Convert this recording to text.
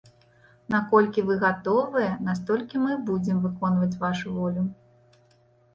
Наколькі вы гатовыя, настолькі мы і будзем выконваць вашу волю.